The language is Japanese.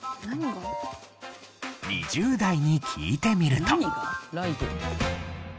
２０代に聞いてみると。